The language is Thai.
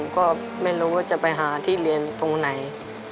ก็ไม่รู้ว่าจะไปหาที่เรียนตรงไหน